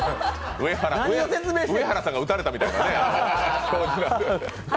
上原さんが打たれたみたいなね。